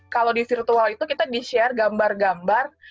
kalau di virtual itu kita di share gambar gambar